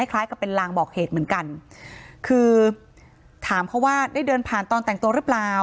คล้ายกับเป็นลางบอกเหตุเหมือนกันคือถามเขาว่าได้เดินผ่านตอนแต่งตัวหรือเปล่า